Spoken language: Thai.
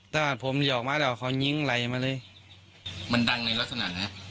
แต่ผมเดี๋ยวออกมาแล้วเขายิงไหลมาเลยมันดังในลักษณะนะครับ